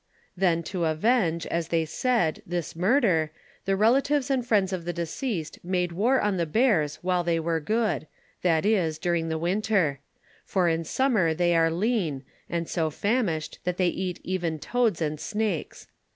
Then to avenge, as they said, this murder, the relatives and friends of the deceased made war on the bears while they were good — that is, during the winter; for in summer they are lean, and so famished, that they eat even toads and snakes.